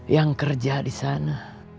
yang kerja di sana